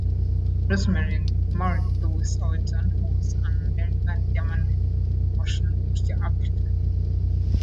Rosemary married Louis Adlon who was an American, German-born motion picture actor.